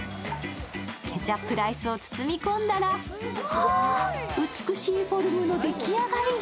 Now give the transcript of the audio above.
ケチャップライスを包み込んだら美しいフォルムの出来上がり。